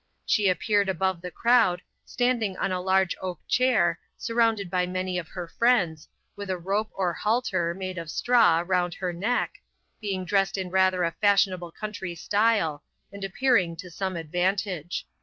She appeared above the crowd, standing on a large oak chair, surrounded by many of her friends, with a rope or halter, made of straw, round her neck, being dressed in rather a fashionable country style, and appearing to some advantage.